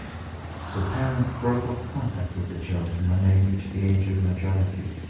The parents broke off contact with the children when they reached the age of majority.